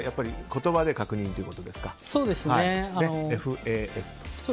言葉で確認ということですか。